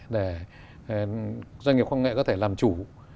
để doanh nghiệp quốc công nghệ có thể làm chủ